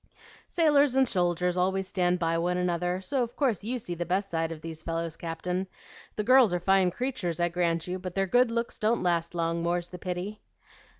"Sailors and soldiers always stand by one another; so of course you see the best side of these fellows, Captain. The girls are fine creatures, I grant you; but their good looks don't last long, more's the pity!"